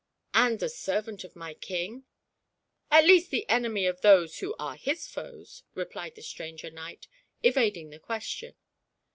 " And a servant of my King ?" At least the enemy of those who are his foes," re plied the stranger knight, evading the question.